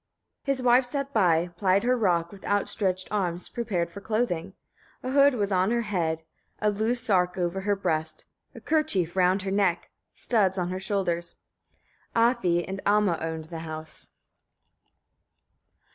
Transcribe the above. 16. His wife sat by, plied her rock, with outstretched arms, prepared for clothing. A hood was on her head, a loose sark over her breast, a kerchief round her neck, studs on her shoulders. Afi and Amma owned the house.